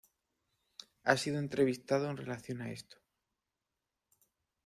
Ha sido entrevistado en relación a esto.